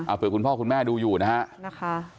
เผื่อคุณพ่อคุณแม่ดูอยู่นะฮะ